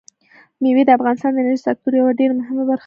مېوې د افغانستان د انرژۍ سکتور یوه ډېره مهمه برخه ده.